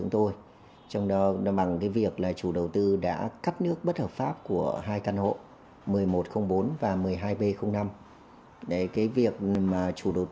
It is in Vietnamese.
trong đó bằng việc chủ đầu tư đã cắt nước bất hợp pháp của hai căn hộ một mươi một bốn và một mươi hai b năm